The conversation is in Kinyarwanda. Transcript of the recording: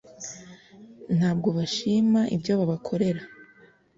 Ntabwo bashima ibyo babakorera